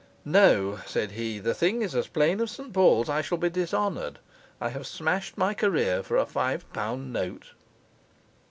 'No,' said he, 'the thing is as plain as St Paul's. I shall be dishonoured! I have smashed my career for a five pound note.